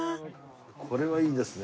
これはいいですね。